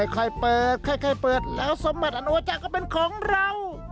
ค่อยเปิดค่อยเปิดแล้วสมบัติอันวจักรก็เป็นของเรา